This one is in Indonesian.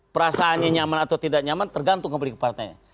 perasaannya nyaman atau tidak nyaman tergantung kembali ke partainya